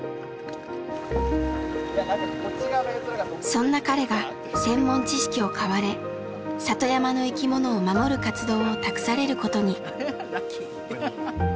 そんな彼が専門知識を買われ里山の生きものを守る活動を託されることに。